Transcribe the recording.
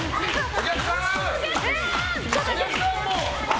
お客さんも！